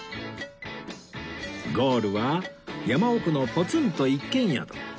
ゴールは山奥のポツンと一軒宿